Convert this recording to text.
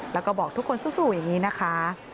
แล้วก็บอกทุกคนสู้อย่างนี้นะคะ